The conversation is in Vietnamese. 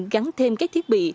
gắn thêm các thiết bị